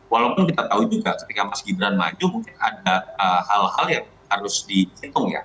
walaupun kita tahu juga ketika mas gibran maju mungkin ada hal hal yang harus dihitung ya